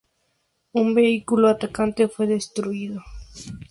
Un vehículo atacante fue destruido.